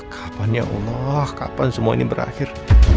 kapan ya allah kapan semua ini berakhir